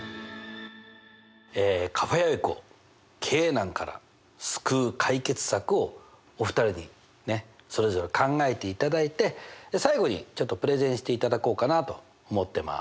カフェ・アイクを経営難から救う解決策をお二人にそれぞれ考えていただいて最後にちょっとプレゼンしていただこうかなと思ってます。